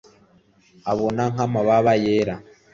Abona nkamababa yera